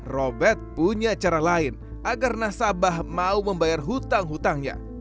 robert punya cara lain agar nasabah mau membayar hutang hutangnya